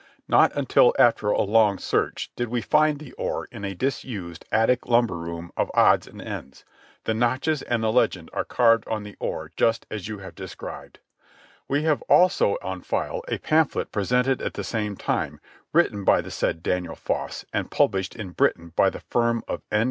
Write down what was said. Not until after a long search did we find the oar in a disused attic lumber room of odds and ends. The notches and the legend are carved on the oar just as you have described. "We have also on file a pamphlet presented at the same time, written by the said Daniel Foss, and published in Boston by the firm of N.